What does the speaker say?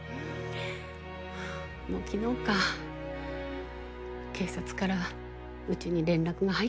もう昨日か警察からうちに連絡が入ったの。